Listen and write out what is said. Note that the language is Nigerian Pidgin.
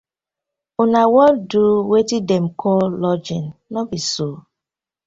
Una wan to do weten dem call logging, no bi so?